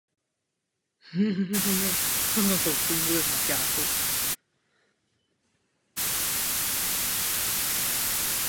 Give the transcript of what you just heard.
Reportáž se setkala s velkým ohlasem v Německu i dalších evropských zemích.